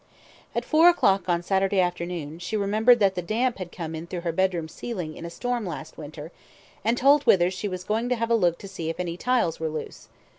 ... At four o'clock on Saturday afternoon, she remembered that the damp had come in through her bedroom ceiling in a storm last winter, and told Withers she was going to have a look to see if any tiles were loose.